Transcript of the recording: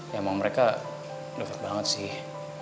ya memang mereka dekat banget sih